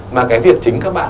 mà cái việc chính các bạn